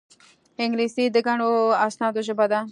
انګلیسي د ګڼو اسنادو ژبه ده